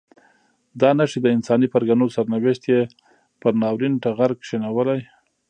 دا نښې د انساني پرګنو سرنوشت یې پر ناورین ټغر کښېنولی.